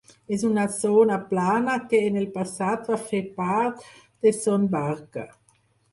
És una zona plana que en el passat va fer part de Son Barca.